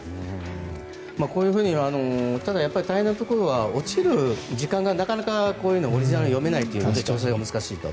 こういうふうにただ、大変なところは落ちる時間がなかなか読めないというので調整が難しいと。